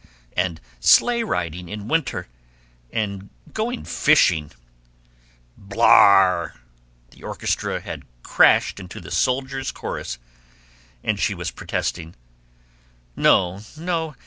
"And sleigh riding in winter, and going fishing " Blarrrrrrr! The orchestra had crashed into the "Soldiers' Chorus"; and she was protesting, "No! No!